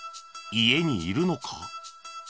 家にいるのか？